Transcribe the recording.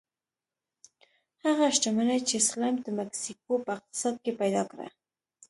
هغه شتمني چې سلایم د مکسیکو په اقتصاد کې پیدا کړه.